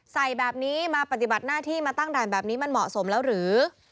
ใส่แบบนี้มาปฏิบัติหน้าที่มาตั้งด่านแบบนี้มันเหมาะสมแล้วหรือ